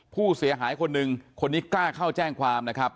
ผู้เสียหายคนหนึ่งคนนี้กล้าเข้าแจ้งความนะครับ